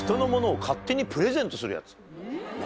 何？